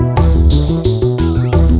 sebenarnya gak ada masalah sih